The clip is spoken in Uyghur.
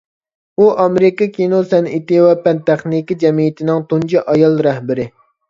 ئۇ ئامېرىكا كىنو سەنئىتى ۋە پەن-تېخنىكا جەمئىيىتىنىڭ تۇنجى ئايال رەھبىرى.